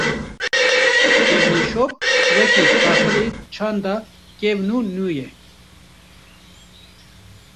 Kevneşop, weke kakilê çanda kevn û nû ye